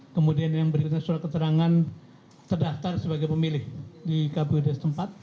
kemudian yang berikutnya surat keterangan terdaftar sebagai pemilih di kpud setempat